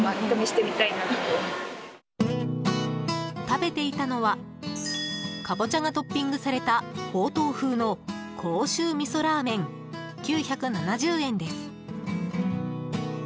食べていたのはカボチャがトッピングされたほうとう風の甲州味噌らーめん９７０円です。